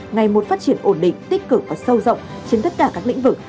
ngày một phát triển ổn định tích cực và sâu rộng trên tất cả các lĩnh vực